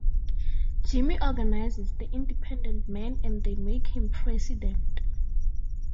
Jimmy organizes the independent men and they make him president.